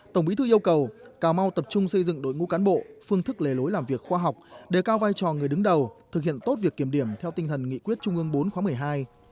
tổng bí thư yêu cầu cà mau tập trung xây dựng đội ngũ cán bộ phương thức lề lối làm việc khoa học đề cao vai trò người đứng đầu thực hiện tốt việc kiểm điểm theo tinh thần nghị quyết trung ương bốn khóa một mươi hai